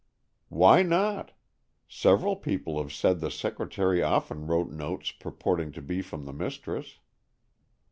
"Why not? Several people have said the secretary often wrote notes purporting to be from the mistress."